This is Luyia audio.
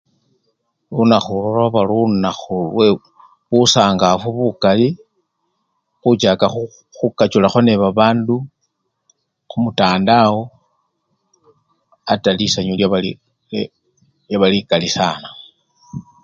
Lunakhu olwo lwaba lunakhu lwebusangafu bukali, khuchaka khu! khukachulakho nebabandu khumutandawo ate lisanyu lyaba li! lyaba likali sana.